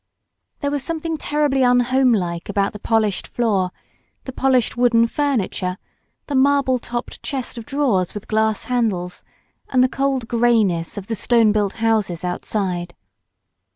There was something terribly unhomelike about the polished floor, the polished wooden furniture, the marble topped chest: of drawers with glass handles, and the cold greyness, of the stone built houses outside.